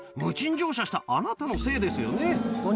乗車したあなたのせいですよね。